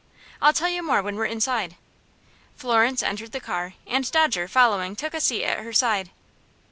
"I'll tell you more when we're inside." Florence entered the car, and Dodger, following, took a seat at her side.